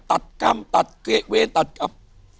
ตัดกรรมตัดเกะเวรตัดกับ